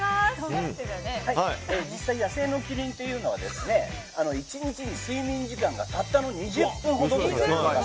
実際に野生のキリンというのは１日に睡眠時間がたったの２０分ほどです。